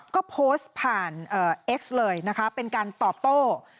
ก็โพสต์ผ่านเอ็กซ์เลยนะคะเป็นการตอบโต้